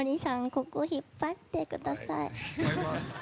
ここ引っ張ってください。